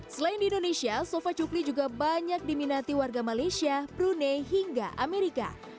selain di indonesia sofa cukli juga banyak diminati warga malaysia brunei hingga amerika